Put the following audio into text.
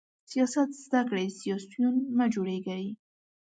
سیاست زده کړئ، سیاسیون مه جوړیږئ!